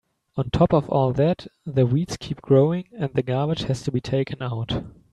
On top of all that, the weeds keep growing and the garbage has to be taken out.